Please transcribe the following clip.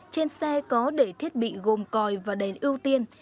trên xe có đầy thiết bị gồm coi và đèn ưu tiên